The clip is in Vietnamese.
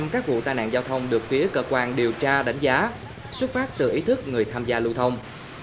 tám mươi các vụ tai nạn giao thông được phía cơ quan điều tra đánh giá xuất phát từ ý thức người tham gia lưu thông